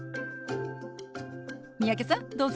三宅さんどうぞ。